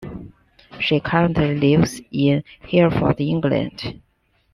She currently lives in Hereford, England.